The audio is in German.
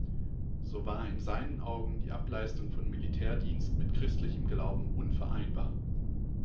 So war in seinen Augen die Ableistung von Militärdienst mit christlichem Glauben unvereinbar.